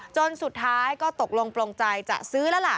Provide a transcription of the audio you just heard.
จนสุดท้ายก็ตกลงปลงใจจะซื้อแล้วล่ะ